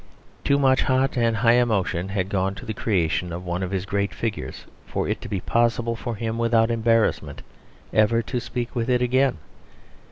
Too much hot and high emotion had gone to the creation of one of his great figures for it to be possible for him without embarrassment ever to speak with it again.